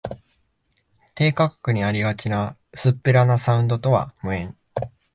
低価格にありがちな薄っぺらなサウンドとは無縁